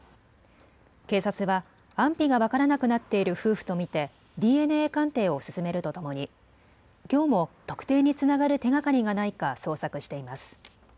警察は安否が分からなくなっている夫婦と見てＤＮＡ鑑定を進めるとともにきょうも特定につながる手がかりがないか捜索しています。